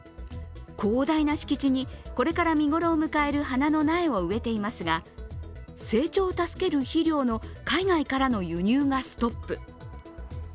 広大な敷地に、これから見頃を迎える花の苗を植えていますが成長を助ける肥料の海外からの輸入がストップ。